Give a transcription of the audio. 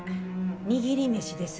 握り飯です。